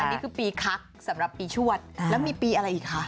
อันนี้คือปีคักสำหรับปีชวดแล้วมีปีอะไรอีกคะ